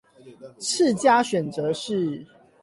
次佳選擇是